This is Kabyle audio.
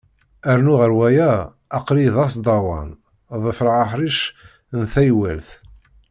Rnu ɣer waya, aql-iyi d asdawan, ḍefreɣ aḥric n taywalt.